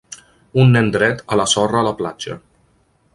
Un nen dret a la sorra a la platja